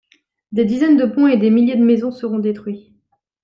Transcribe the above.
Des dizaines de ponts et des milliers de maisons seront détruits.